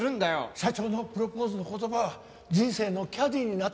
社長のプロポーズの言葉は「人生のキャディーになってくれ」だそうです。